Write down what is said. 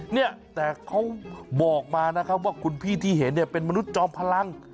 เนี่ยแต่เขาบอกมานะครับว่าคุณพี่ที่เห็นเนี่ยเป็นมนุษย์จอมพลัง